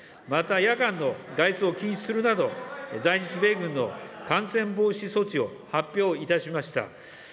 また、夜間の外出を禁止するなど、在日米軍の感染防止措置を発表いたしました。